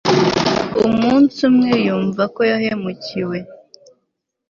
Umunsi umwe yumva ko yahemukiwe